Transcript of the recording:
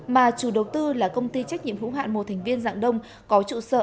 mà chủ đầu tư là công ty trách nhiệm hữu hạn một thành viên dạng đông có trụ sở